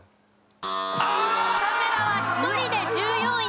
カメラは１人で１４位